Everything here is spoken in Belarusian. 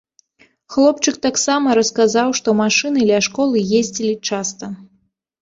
Хлопчык таксама расказаў, што машыны ля школы ездзілі часта.